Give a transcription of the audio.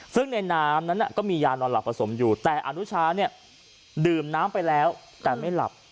ซึ่งในน้ำนั้นก็มียานอนหลับผสมอยู่แต่อนุชาเนี่ยดื่มน้ำไปแล้วแต่ไม่หลับ